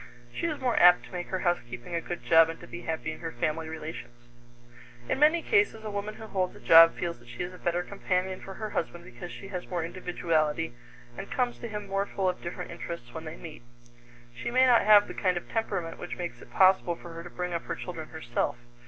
She is more apt to make her housekeeping a good job and to be happy in her family relations. In many cases a woman who holds a job feels that she is a better companion for her husband because she has more individuality and comes to him more full of different interests when they meet. She may not have the kind of temperament which makes it possible for her to bring up her children herself.